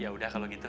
ya udah kalau gitu